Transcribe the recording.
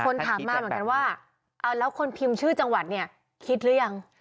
คนถามมาเหมือนกันว่าเอาแล้วคนพิมพ์ชื่อจังหวัดเนี่ยคิดหรือยัง